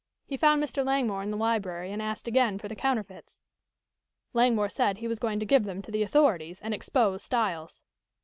He found Mr. Langmore in the library and asked again for the counterfeits. Langmore said he was going to give them to the authorities, and expose Styles.